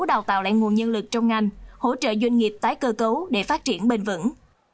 đào tạo lại nguồn nhân lực trong ngành hỗ trợ doanh nghiệp tái cơ cấu để phát triển bền vững